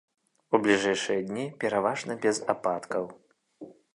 У бліжэйшыя дні пераважна без ападкаў.